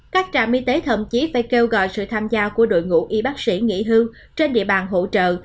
các trạm y tế thậm chí phải kêu gọi sự tham gia của đội ngũ y bác sĩ nghỉ hưu trên địa bàn hỗ trợ